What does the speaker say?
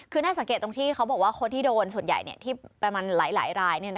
คือน่าสังเกตตรงที่เขาบอกว่าคนที่โดนส่วนใหญ่ที่ประมาณหลายราย